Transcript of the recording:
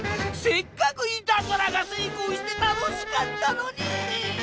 せっかくいたずらがせいこうして楽しかったのに！